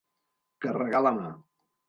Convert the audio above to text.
Carregar la mà.